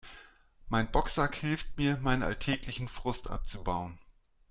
Mein Boxsack hilft mir, meinen alltäglichen Frust abzubauen.